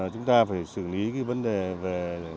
chúng ta phải xử lý vấn đề về